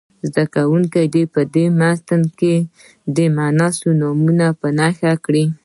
زده کوونکي دې په متن کې مونث نومونه په نښه کړي.